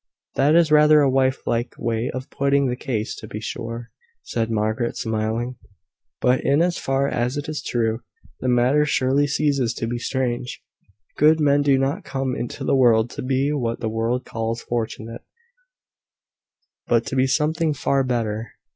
"That is rather a wife like way of putting the case, to be sure," said Margaret, smiling: "but, in as far as it is true, the matter surely ceases to be strange. Good men do not come into the world to be what the world calls fortunate, but to be something far better.